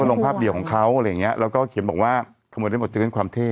ปริกิริตภาพเดียวของเขาอะไรเนี้ยแล้วก็เขียนบอกว่าอันนี้เราต้องปล่อยใจจริงว่าความเท่